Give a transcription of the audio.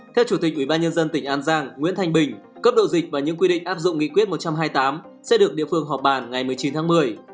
theo chủ tịch ủy ban nhân dân tỉnh an giang nguyễn thanh bình cấp độ dịch và những quy định áp dụng nghị quyết một trăm hai mươi tám sẽ được địa phương họp bàn ngày một mươi chín tháng một mươi